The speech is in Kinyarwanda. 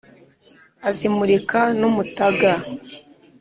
azimurika n'umutaga